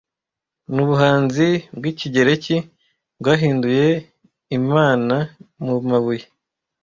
Nubuhanzi bwikigereki bwahinduye imana mumabuye--